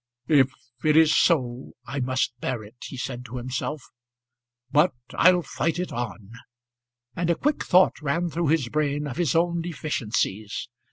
"If it is so I must bear it," he said to himself; "but I'll fight it on;" and a quick thought ran through his brain of his own deficiencies.